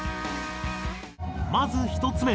まず１つ目。